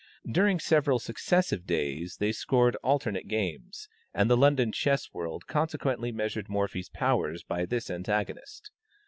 During several successive days they scored alternate games, and the London chess world consequently measured Morphy's powers by this antagonist.